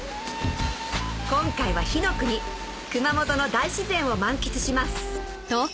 今回は火の国熊本の大自然を満喫します